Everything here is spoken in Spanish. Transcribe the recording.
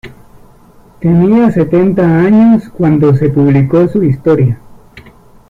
Tenía setenta años cuando se publicó su "Historia".